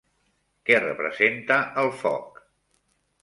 Què representa el foc?